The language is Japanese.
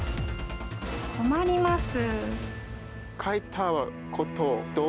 困ります。